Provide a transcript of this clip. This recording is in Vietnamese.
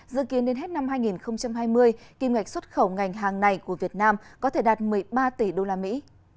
dự kiến đến hết năm hai nghìn hai mươi kim ngạch xuất khẩu ngành hàng này của việt nam có thể đạt một mươi ba tỷ đô la mỹ